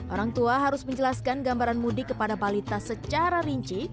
orang tua harus menjelaskan gambaran mudik kepada balita secara rinci